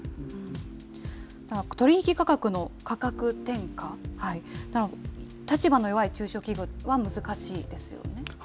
取り引き価格の価格転嫁、立場の弱い中小企業は難しいですよね。